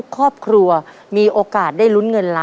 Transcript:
ครอบครัวของแม่ปุ้ยจังหวัดสะแก้วนะครับ